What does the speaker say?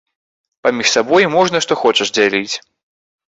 Паміж сабой можна што хочаш дзяліць.